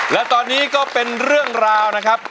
และตอนนี้ก็เป็นเรื่องราวนะครับ